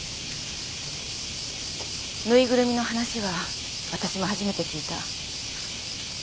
ぬいぐるみの話は私も初めて聞いた。